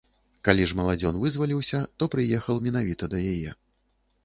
Калі ж маладзён вызваліўся, то прыехаў менавіта да яе.